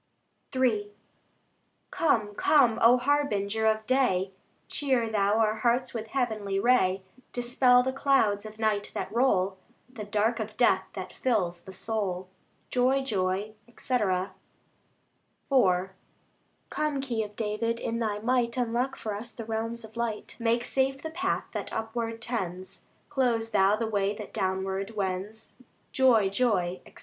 III Come, come, O Harbinger of day! Cheer Thou our hearts with heavenly ray, Dispel the clouds of night that roll, The dark of death that fills the soul. Joy, joy, &c. IV Come, Key of David! in Thy might Unlock for us the realms of light; Make safe the path that upward tends, Close Thou the way that downward wends. Joy, joy, &c.